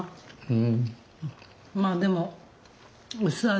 うん。